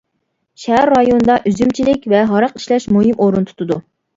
شەھەر رايونىدا ئۈزۈمچىلىك ۋە ھاراق ئىشلەش مۇھىم ئورۇن تۇتىدۇ.